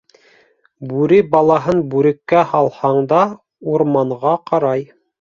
Бүре балаһын бүреккә һалһаң да урманға ҡарай.